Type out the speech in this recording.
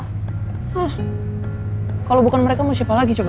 hah kalau bukan mereka mau siapa lagi coba